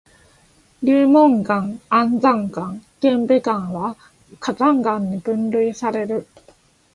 流紋岩、安山岩、玄武岩は火山岩に分類される。